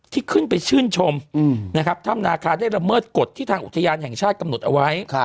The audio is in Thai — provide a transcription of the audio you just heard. ที่ขึ้นไปชื่นชมนะครับถ้ำนาคาได้ระเมิดกฎที่ทางอุทยานแห่งชาติกำหนดเอาไว้